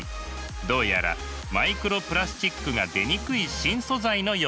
どうやらマイクロプラスチックが出にくい新素材のようです。